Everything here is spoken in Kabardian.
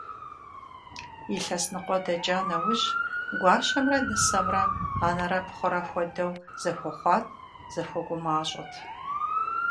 Илъэс ныкъуэ дэкӀа нэужь, гуащэмрэ нысэмрэ анэрэ пхъурэ хуэдэу зэхуэхъуат, зэхуэгумащӀэт.